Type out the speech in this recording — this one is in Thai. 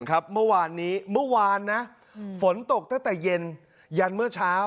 เมื่อวานนี้เมื่อวานนะฝนตกตั้งแต่เย็นยันเมื่อเช้า